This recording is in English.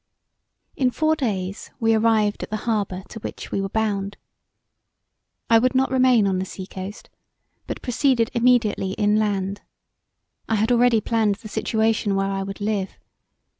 In four days we arrived at the harbour to which we were bound. I would not remain on the sea coast, but proceeded immediately inland. I had already planned the situation where I would live.